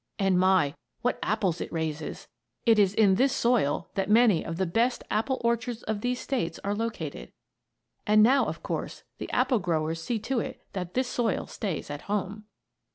And, my, what apples it raises! It is in this soil that many of the best apple orchards of these States are located. And now, of course, the apple growers see to it that this soil stays at home.